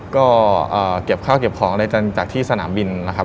ก็เก็บข้าวเก็บของอะไรจากที่สนามบินนะครับ